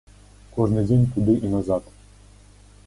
Кожны дзень туды і назад.